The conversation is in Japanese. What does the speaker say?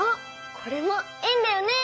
これも円だよね。